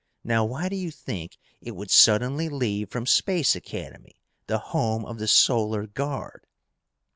Now why do you think it would suddenly leave from Space Academy, the home of the Solar Guard?"